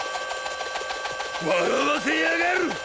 笑わせやがる！